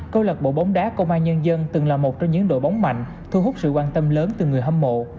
câu lạc bộ bóng đá công an nhân dân từng là một trong những đội bóng mạnh thu hút sự quan tâm lớn từ người hâm mộ